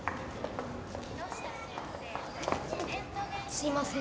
すいません。